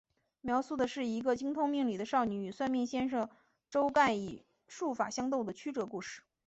描述的是一个精通命理的少女与算命先生周干以术法相斗的曲折故事。